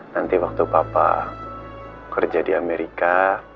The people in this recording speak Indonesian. nanti waktu papa kerja di amerika